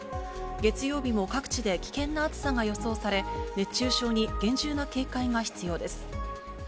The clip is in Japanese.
月曜日も各地で危険な暑さが予想され、熱中症に厳重な警戒が必要です。